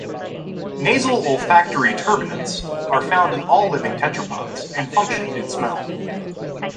Nasal olfactory turbinates are found in all living tetrapods and function in smell.